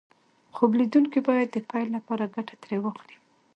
خوب ليدونکي بايد د پيل لپاره ګټه ترې واخلي.